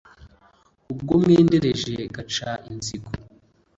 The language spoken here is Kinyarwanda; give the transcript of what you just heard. ubwo mwendereje gaca-nzigo